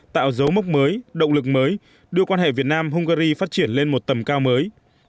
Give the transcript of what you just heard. tạo dấu mốc mới động lực mới đưa quan hệ việt nam hungary phát triển lên một tầm cao mới